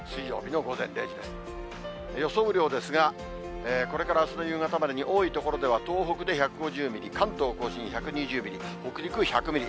雨量ですが、これからあすの夕方までに、多い所では、東北で１５０ミリ、関東甲信１２０ミリ、北陸１００ミリ。